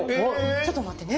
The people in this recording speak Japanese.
ちょっと待ってね。